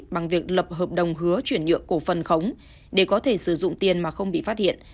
bằng việc lập hợp đồng hứa chuyển nhượng cổ phần khống để có thể sử dụng tiền mà không bị phát hiện